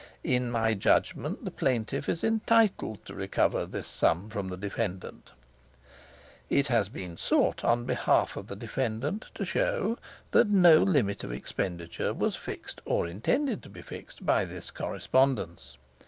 "In my judgment the plaintiff is entitled to recover this sum from the defendant. "It has been sought, on behalf of the defendant, to show that no limit of expenditure was fixed or intended to be fixed by this correspondence.